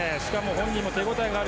本人も手応えあり。